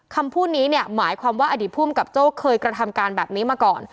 คำพูดนี้เนี่ยหมายความว่าอดีตภูมิกับโจ้เคยกระทำการแบบนี้มาก่อน